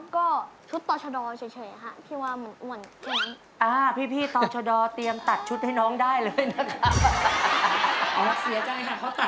อ๋อก็ชุดต่อชะดอเฉยค่ะ